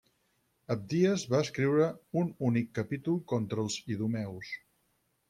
Abdies va escriure un únic capítol contra els idumeus.